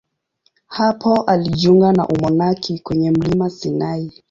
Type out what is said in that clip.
Hapo alijiunga na umonaki kwenye mlima Sinai.